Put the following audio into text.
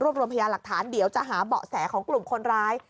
รวมรวมพยาหลักฐานเดี๋ยวจะหาเบาะแสของกลุ่มคนร้าย